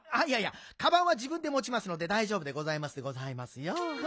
いやいやかばんはじぶんでもちますのでだいじょうぶでございますでございますよ。